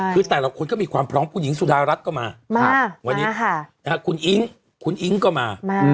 คือแต่ละคนก็มีความพร้อมผู้หญิงสุธารัฐก็มาคุณอิ้งก็มา